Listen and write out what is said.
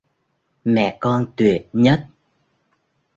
Mẹ con tuyệt nhất